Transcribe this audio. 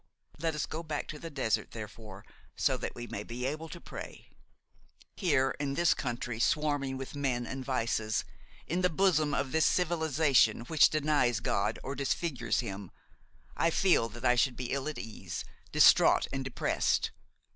Let us go back to the desert, therefore, so that we may be able to pray. Here, in this country swarming with men and vices, in the bosom of this civilization which denies God or disfigures Him, I feel that I should be ill at ease, distraught and depressed.